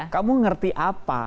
kamu ngerti apa